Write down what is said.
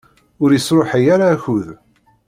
Ur isṛuḥay ara akud.